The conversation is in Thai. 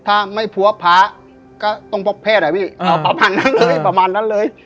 ถ้าไม่ภัพย์ภายพระมนตราต้องพบแพทย์ประมาณนั้นเลย